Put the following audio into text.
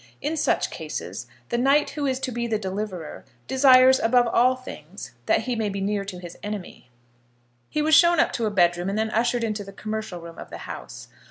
In such cases, the knight who is to be the deliverer desires above all things that he may be near to his enemy. He was shown up to a bedroom, and then ushered into the commercial room of the house.